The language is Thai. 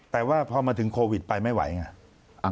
แต่ว่าพอมาถึงโควิดไปไม่ไหวไง